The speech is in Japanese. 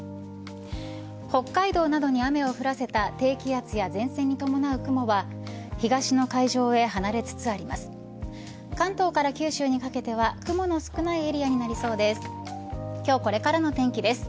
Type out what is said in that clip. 北海道などに雨を降らせた低気圧や前線に伴う雲は東の海上へ離れつつあります。